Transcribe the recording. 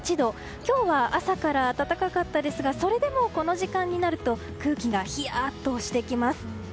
今日は、朝から暖かかったですがそれでもこの時間になると空気がヒヤッとしてきます。